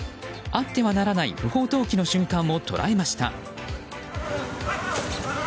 あってはならない不法投棄の瞬間を捉えました。